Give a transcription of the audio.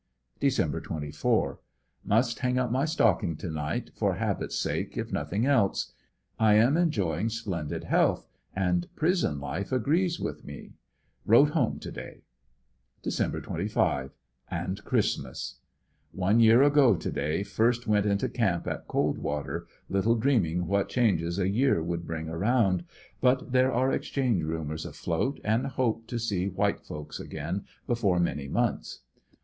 Dec. 24. — Must hang up my stocking to night for habit's sake if n thing els^. I am enjoying splendid health, and prison life agrees with we. Wrote home to day Dec. 25 — and Christmas. — One year ago to day first went into camp at Coldwater, little dreaming what changes a year would bring around, but there are exchange rumors afloat and hope to see white folks again before many months.